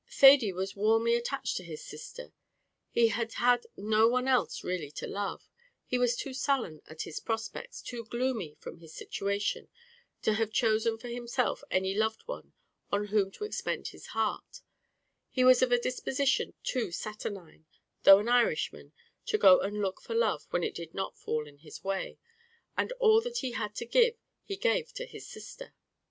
Thady was warmly attached to his sister; he had had no one else really to love; he was too sullen at his prospects, too gloomy from his situation, to have chosen for himself any loved one on whom to expend his heart; he was of a disposition too saturnine, though an Irishman, to go and look for love when it did not fall in his way, and all that he had to give he gave to his sister.